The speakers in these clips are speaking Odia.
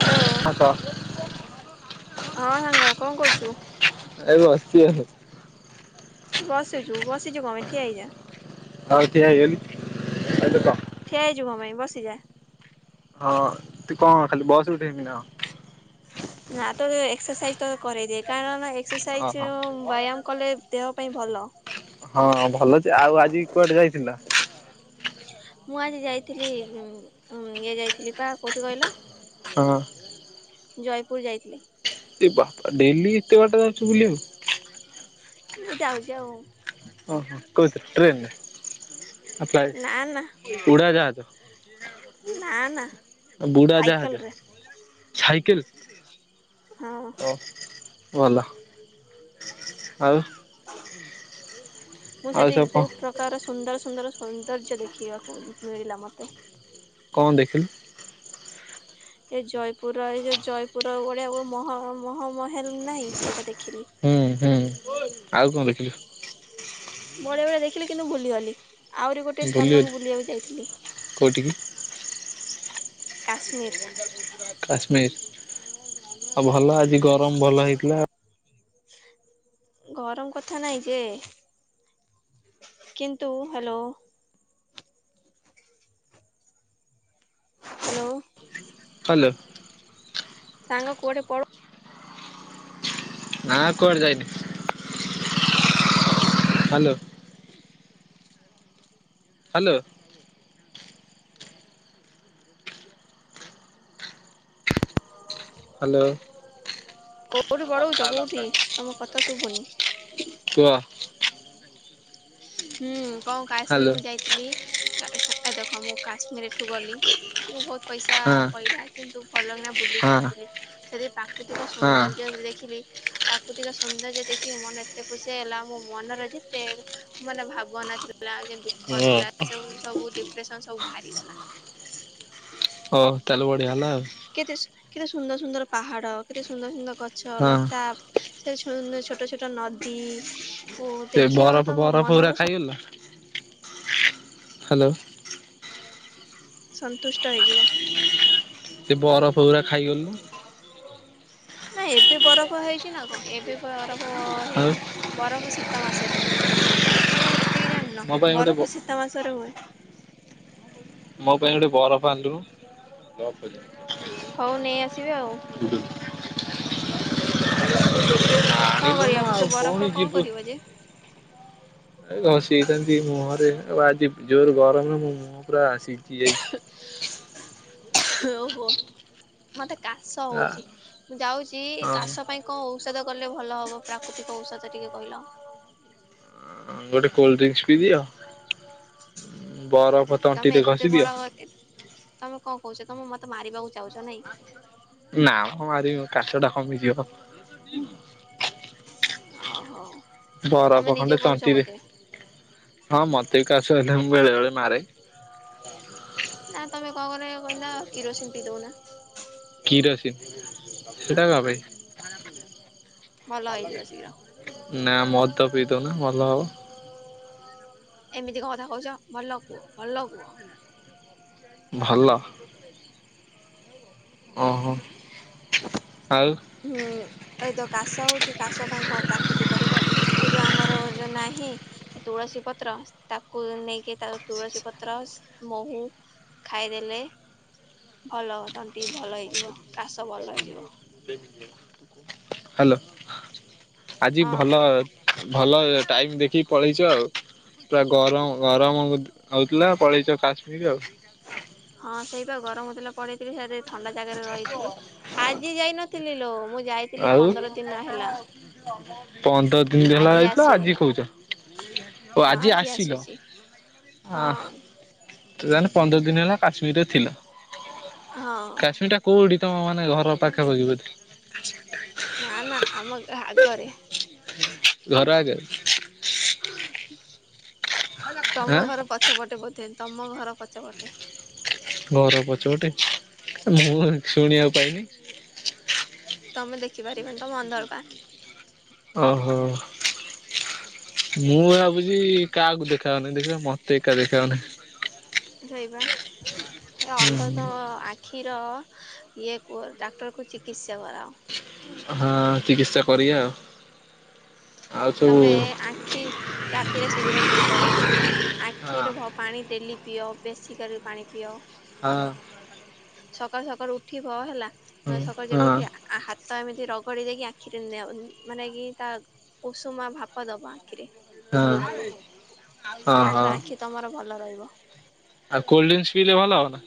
ହ୍ୟାଲୋ ହଁ ସାଙ୍ଗ କଁ କରୁଚୁ? ଏ ବସଚି ଆଉ। ତୁ ବସିଚୁ ବସିଚୁ କଣ ପାଇଁ ଠିଆ ହେଇଯା। ଆଉ ଠିଆ ହେଇଗଲି ଏବେ କହ ଠିଆହେଇଚୁ କଁ ପାଇଁ ବସିଯା। ହଁ ତୁ କଣ ଖାଲି ବସ୍ ଉଠ୍ ହେବି ନା ଆଉ ନା ତ ଏକ୍ସରସାଇଜ୍ ତ କରେଇଦିଏ। କାରଣ ଏକ୍ସରସାଇଜ୍ ଓହୋ ଯୋଉ ବ୍ୟାୟାମ କଲେ ଦେହ ପାଇଁ ଭଲ। ହଁ ଭଲ ଯେ ଆଉ ଆଜି କୁଆଡେ ଯାଇଥିଲ? ମୁଁ ଆଜି ଯାଇଥିଲି ଇଏ ଯାଇଥିଲି ପା କୋଉଠି କହିଲ? ହଁ। ଜୟପୁର ଯାଇଥିଲି। ଏ ବାପା ଡେଲି ଏତେ ବାଟ ଯାଉଛୁ ବୁଲିବାକୁ। ମୁଁ ଯାଉଛି ଆଉ। ହଁ ହଁ କୋଉଥିରେ ଟ୍ରେନରେ ନା ଫ୍ଲାଇଟ୍? ନା ନା ଉଡ଼ାଜାହାଜ। ବୁଡାଜାହାଜ ସାଇକେଲରେ ସାଇକେଲ? ହଁ। ଓ ଭଲ ଆଉ। ମୁଁ ଆଉ ସେଠି ସବୁ କଣ ବହୁତ୍ ପ୍ର ପ୍ରକାର ସୁନ୍ଦର ସୁନ୍ଦର ସୌନ୍ଦର୍ଯ୍ୟ ଦେଖିବାକୁ ମିଳିଲା ମତେ। କଣ ଦେଖିଲୁ? ଏ ଜୟପୁର ର ଏଇ ଯୋଉ ଜୟପୁର ର ବଢିଆ ମ ମହମହେଲ ନାହିଁ ସେଟା ଦେଖିଲି। ହୁଁ ହୁଁ ଆଉ କଣ ଦେଖିଲୁ? ବଡିଆବଡିଆ ଦେଖିଲି କିନ୍ତୁ ଭୁଲିଗଲି। ଆଉରି ଗୋଟେ ଭୁଲିଗଲି ସ୍ଥାନକୁ ବୁଲିବାକୁ ଯାଇଥିଲି। କୋଉଠିକି କାଶ୍ମୀର। କାଶ୍ମୀର ଆଉ ଭଲ ଆଜି ଗରମ ଭଲ ହେଇଥିଲା। ଗରମ କଥା ନାଇଁ ଯେ। କିନ୍ତୁ ହ୍ୟାଲୋ। ହ୍ୟାଲୋ। ହ୍ୟାଲୋ। ସାଙ୍ଗ କୁଆଡେ ପଳ ନା କୁଆଡେ ଯାଇନି ହ୍ୟାଲୋ। ହ୍ୟାଲୋ। ହ୍ୟାଲୋ। କୋଉଠି ବଳଉଛ କୋଉଠି ତମ କଥା ଶୁଭୁନି। କୁହ। ହୁଁ କଣ ହ୍ୟାଲୋ କାଶ୍ମୀରକୁ ଯାଇ ଥିଲି ଏ ଅ ସ ଦେଖ ମୁଁ କାଶ୍ମୀର ଏଠୁ ଗଲି, ଏମିତି ମୁ ବହୁତ ପଇସା ହଁ ପଇଲା, କିନ୍ତୁ ଭଲ କିନା ବୁଲିକି ଆସିଲି ହଁ ସେଦି ପା କତିକ ସୁନ୍ଦର ଯ ଆ ଦେଖିଲି। ପ୍ରାକୃତିକ ସୌନ୍ଦର୍ଯ୍ୟ ଦେଖି ମୋ ମନ ଏତେ ଖୁସି ହେଲା, ମୋ ମନରେ ଯେତେ ମାନେ ଭାବନା ଥିଲା, ଯେ ଦୁଃଖ ହଁ। ଥିଲା ସବୁ ସବୁ ଡିପ୍ରେସନ ସବୁ ଭା ଗଲା। ହଉ ତାହେଲେ ବଢିଆ ହେଲା ଆଉ। କେତେ କେତେ ସୁନ୍ଦର ସୁନ୍ଦର ପାହାଡ଼ କେତେ ସୁନ୍ଦର ସୁନ୍ଦର ଗଛ ହଁ ଲତା। ସେ ସୁନ୍ଦ ଛୋଟ ଛୋଟ ନଦୀ ଓ ଦେଖିବ ତମ। ମନ ଫ ଉରା ପୁରା ଖାଇଗଲୁ ନା। ହ୍ୟାଲୋ। ସନ୍ତୁଷ୍ଟ ହେଇଯିବ। ତେ ବର ଫଉରା ଖାଇଗଲୁନୋଉଁ। ନା ଏବେ ବରଫ ହେଇଛି ନା କଣ ଏବେ ବରଫ ଆଉ ହେଇନି। ବରଫ ଶୀତ ମାସରେ, ତମେ ଏତିକି ଜାଣିନ ମୋ ପାଇଁ ଗୋଟେ ବରଫ ଶୀତ ତ ମାସରେ ହୁଏ। ମୋ ପାଇଁ ଗୋଟେ ବରଫ ଆଣିଲୁନୁ ହଉ ନେଇ ଆସିବି ଆଉ। ହୁଁ। କଣ ଆଣିଲୁନୁ କରିବା ଆଉ ସେ ପୁଣି ବରଫରେ କଣ ଯିବୁ କରିବ ଯେ। ଏ ଘସିଇଥାନ୍ତି ମୁହଁରେ ଆଉ, ଆଜି ଜୋର ଗରମରେ ମୋ ମୁହଁ ପୁରା ସିଝି ଯାଇଚି। ଓହୋ ମତେ କାଶ ଆ ହଉଛି ମୁଁ ଯାଉଛି ହଁ କାଶ ପାଇଁ କଣ ଔଷଧ କଲେ ଭଲ ହବ ପ୍ରାକୃତିକ ଔଷଧ ଟିକେ କହିଲ। ଅ ଗୋଟେ କୋଲଡଡ୍ରିଙ୍କସ ପି ଦିଅ ବରଫ୍ ତମେ ଏତେ ବଡ ଏ, ତମେ କଣ କହୁଛ ତମେ ମତେ ମାରିବାକୁ ଚାହୁଁଛ ନାଇଁ। ନା ମ ମାରିବି କାଶ ଟା କମିଯିବ। ଓହୋ ବରଫ ତମେ ଖଣ୍ଡେ ନିଜେ କରୁଛ ତଣ୍ଟିରେ ବତେ। ହଁ ମତେ ବି କାସହେଲେ ମୁଁ ବେଳେ ବେଳେ ମାରେ। ନା ତମେ କଣ କର କହିଲ କିରୋସିନ ପିଇଦଉନା। କିରୋସିନି ସେଟା କ ପାଇଁ। ଭଲ ହେଇଯିବ ଶୀଘ୍ର। ନା ମଦ ପିଇ ଦଉନା ଭଲ ହବ। ଏମିତି କ କଥା କହୁଛ ଭଲ କୁହ ଭଲ କୁହ। ଭଲ। ଓହୋ ଆଉ। ହୁଁ। ଏ ତୋ କାଶ ହଉଛି କାଶ ପାଇଁ କଣ ପ୍ରାକୃତିକ ଦେବ ଏଇ ଯୋଉ ଆମର ଯୋଉ ନାହିଁ ତୁଳସୀ ପତ୍ର ତାକୁ ନେଇକି ତା ତୁଳସୀ ପତ୍ର ମହୁ ଖାଇଦେଲେ ଭଲ ତଣ୍ଟି ଭଲ ହେଇଯିବ କାଶ ଭଲ ହେଇଯିବ। [inaudible] ହ୍ୟାଲୋ ଆଜି ହଁ ଭଲ ଭଲ ଟାଇମ୍ ଦେଖି ପଳେଇଛ ଆଉ ପୁରା ଗରମ ଗରମ ହଉଥିଲା ପଳେଇଛ କାଶ୍ମୀର ଆଉ ହଁ ସେଇପା ଗରମ ହଉଥିଲା ପଳେଇଥିଲି ସିଆଡେ ଥଣ୍ଡା ଜାଗାରେ ରହିଥିଲି। ଆଜି ଯାଇନଥିଲି ଲୋ ମୁଁ ଯାଇଥିଲି ଆଉ ପନ୍ଦର ଦିନ ହେଲା। ପନ୍ଦର ଦିନ ହେଲା ଆଜି ଆଇଥିଲ ଆସି ଆଜି କହୁଚ? ଓ ହଁ ଆଜି ଆସିଲ ଆସୁଛି ଅ। ହଁ ତାଳେ ପନ୍ଦର ଦିନ ହେଲା କାଶ୍ମୀରରେ ଥିଲ ହଁ। କାଶ୍ମୀରଟା କୋଉଠି ତମ ମାନେ ଘର ପାଖାପଖି ବଧେ? ଆଛା। ନା ନା ଆମ ଗା ଆଗରେ। ଘର ଆଗେରେ। ଆଁ ତମ ଘର ପଛପଟେ ବୋଧେ ତମ ଘର ପଛପଟେ। ଘର ପଛପଟେ ମୁଁ ଶୁଣିବାକୁ ପାଇନି। ତମେ ଦେଖିପାରିବନି ତମ ଅନ୍ଧରପା। ଓହୋ। ମୁଁ ଭାବୁଛି କାହାକୁ ଦେଖା ହଉନି ଦେଖିବା ମତେ ଏକା ଦେଖା ହାଉନି। ସେଇପା ଏ ହୁଁ ଅନ୍ଧ ତ ଆ କ୍ଷୀର ଇଏ ଡାକ୍ତରକୁ ଚିକିତ୍ସା କରାଅ। ହଁ ଚିକିତ୍ସା କରିବା ଆଉ। ଆଉ ସବୁ ତମେ ଆଖି ରାତିରେ ଶୀଘ୍ର ଶୋଇପଡ। ହଁ ଆଖିରେ ପାଣି ଡେଲି ପିଅ ବେଶୀ କରି ପାଣି ପିଅ। ହଁ। ସକାଳୁ ସକାଳୁ ଉଠିବ ହେଲା ହଁ ସକାଳୁ ହଁ ଯେବେ ହଁ ଉଠିବା ଆ ହାତ ଏମିତି ରଗଡି ଦେଇକି ଆଖିରେ ମାନେ କି ତା ଉଷୁମା ଭାପ ଦେବ ଆଖିରେ ଭଲ ହବ। ହଁ ଯାଦ୍ୱାରାଆଖି ତମର ଭଲ ରହିବ। ଆ କୋଲଡ୍ରିଙ୍କସ ପିଇଲେ ଭଲ ହବ ନା?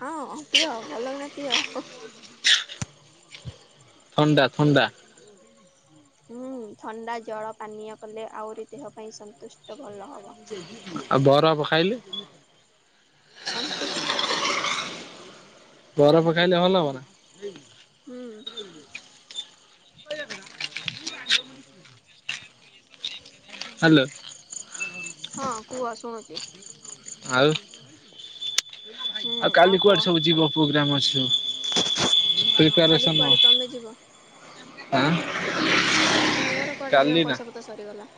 ହଁ ପିଅ ଭଲକିନା ପିଅ। ଥଣ୍ଡା ଥଣ୍ଡା। ହୁଁ ଥଣ୍ଡା ଜଳ ପାନୀୟ କଲେ ଆହୁରି ଦେହ ପାଇଁ ସନ୍ତୁଷ୍ଟ ଭଲ ହବ। ଆଉ ବରଫ ଖାଇଲେ? ସନ୍ତୁଷ୍ଟ ମିଳିବ। ଘରଫ ଖାଇଲେ ଭଲ ହବ ନା? ହୁଁ। ହ୍ୟାଲୋ ହଁ କୁହ ଶୁଣୁଛି? ଆଉ ହୁଁ ଆଉ କାଲି କୁହ କୁଆଡେ ସବୁ ଯିବ ତମେ ପ୍ରୋଗ୍ରାମ ଅଛି ସବୁ କାଲି କୁଆଡେ ତମେ ଯିବ? ଆ ମୋର କୁଆଡ଼େ ଯିବା ପଇସା ପତ୍ର ସରିଗଲା।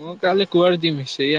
ମୁଁ କାଲି କୁଆଡେ ଯିମି ସେଇଆ